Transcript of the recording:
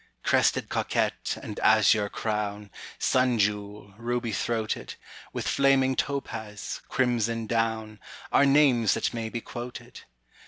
Crested Coquette, and Azure Crown, Sun Jewel, Ruby Throated, With Flaming Topaz, Crimson Down, Are names that may be quoted.